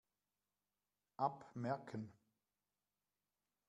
App merken.